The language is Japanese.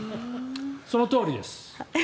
そのとおりです。